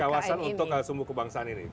kawasan untuk sumbu kebangsaan ini